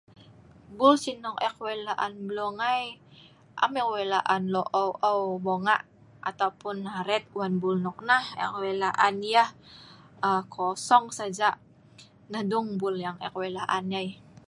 Buel si wei' la'an eek mlueng ai, am eek wei la'an lue eu' eu' bunga' ataupun aret wan buel noknah eek wei la'an yeh kosong saja. Nah dung buel eek wei la'an yai